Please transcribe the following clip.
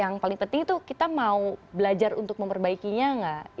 jadi yang paling penting itu kita mau belajar untuk memperbaikinya enggak